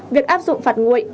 việc áp dụng phạt nguội